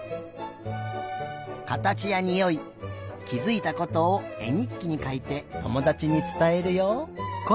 かたちやにおいきづいたことをえにっきにかいてともだちにつたえるよ。